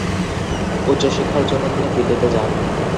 উচ্চশিক্ষার জন্য তিনি দিল্লীতে যান।